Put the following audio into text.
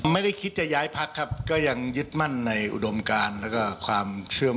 ไม่ได้คิดจะย้ายพักครับก็ยังยึดมั่นในอุดมการแล้วก็ความเชื่อม